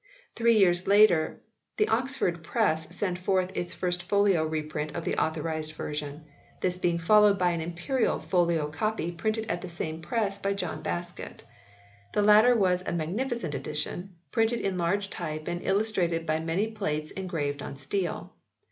Three years later the Oxford Press sent forth its first folio reprint of the Authorised Version ; this being followed by an Imperial folio copy printed at vi] THE AUTHORISED VERSION OF 1611 113 the same press by John Baskett. The latter was a magnificent edition printed in large type and illus trated by many plates engraved on steel.